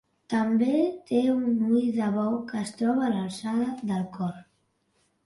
També té un ull de bou que es troba a l'alçada del cor.